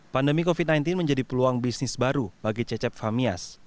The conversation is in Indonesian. pandemi covid sembilan belas menjadi peluang bisnis baru bagi cecep famias